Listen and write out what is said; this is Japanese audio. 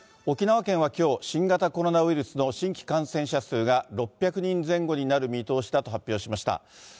沖縄県はきょう、新型コロナウイルスの新規感染者数が６００人前後になる見通しだと発表しました。